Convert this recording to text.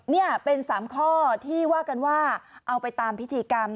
นี่เป็น๓ข้อที่ว่ากันว่าเอาไปตามพิธีกรรม